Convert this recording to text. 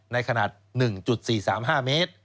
ในขนาด๑๔๓๕เมตร